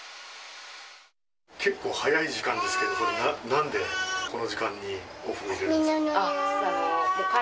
結構早い時間ですけど、なんでこの時間にお風呂なんですか？